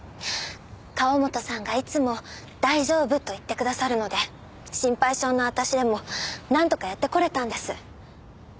河元さんがいつも大丈夫と言ってくださるので心配性の私でもなんとかやってこれたんです。